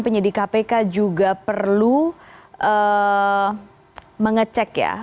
penyidik kpk juga perlu mengecek ya